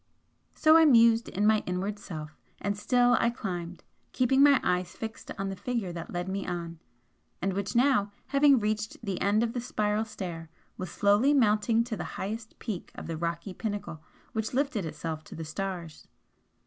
So I mused in my inward self, and still I climbed, keeping my eyes fixed on the Figure that led me on, and which now, having reached the end of the spiral stair, was slowly mounting to the highest peak of the rocky pinnacle which lifted itself to the stars.